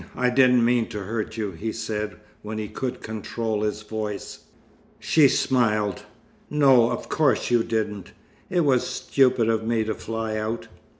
I didn't mean to hurt you," he said when he could control his voice. She smiled. "No, of course you didn't. It was stupid of me to fly out.